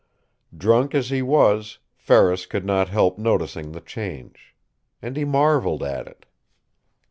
Drunk as he was Ferris could not help noticing the change. And he marveled at it.